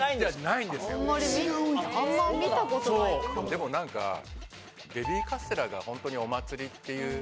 でもなんかベビーカステラがホントにお祭りっていう。